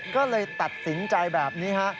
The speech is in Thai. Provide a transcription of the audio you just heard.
ก็เลยตัดสินใจแบบนี้ฮะ